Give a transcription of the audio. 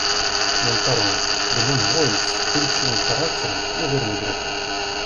Монтарон, гном-воин с вспыльчивым характером, но верный друг.